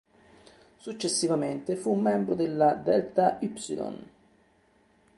Successivamente fu membro della Delta Upsilon.